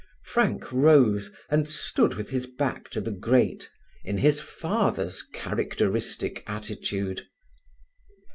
Frank rose, and stood with his back to the grate, in his father's characteristic attitude.